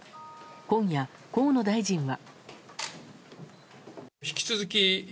今夜、河野大臣は。